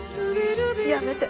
やめて。